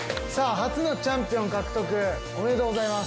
初のチャンピオン獲得おめでとうございます。